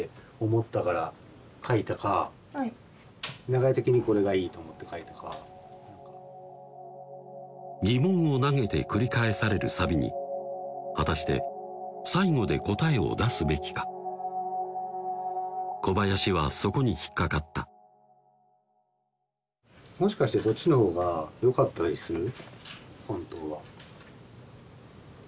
長屋的にこれがいいと思って書いたか疑問を投げて繰り返されるサビに果たして最後で答えを出すべきか小林はそこに引っ掛かったもしかしてそっちのほうがよかったりする？